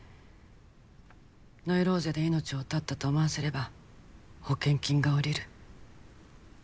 「ノイローゼで命を絶ったと思わせれば保険金が下りる」